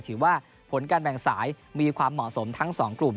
ถือว่าผลการแบ่งสายมีความเหมาะสมทั้งสองกลุ่ม